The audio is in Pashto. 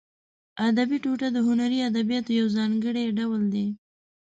ادبي ټوټه د هنري ادبیاتو یو ځانګړی ډول دی.